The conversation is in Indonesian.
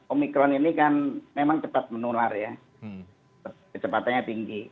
omikron ini kan memang cepat menular ya kecepatannya tinggi